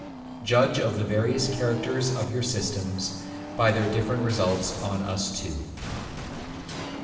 Judge of the various characters of our systems, by their different results on us two.